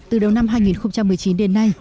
từ đầu năm hai nghìn một mươi chín đến nay